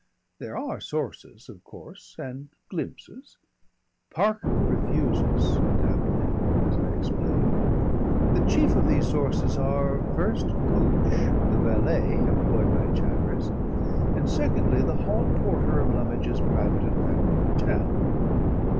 There are sources, of course, and glimpses. Parker refuses, unhappily as I explained. The chief of these sources are, first, Gooch, the valet employed by Chatteris; and, secondly, the hall porter of Lummidge's Private and Family Hotel.